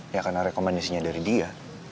ya karena rekomendasinya dari dia